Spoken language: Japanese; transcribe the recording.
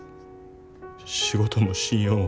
仕事も信用も。